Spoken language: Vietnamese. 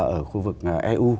ở khu vực eu